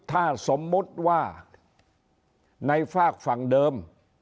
ถ้าสมมุติว่าในฝากฝั่งเดิม